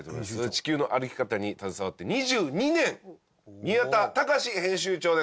『地球の歩き方』に携わって２２年宮田崇編集長です。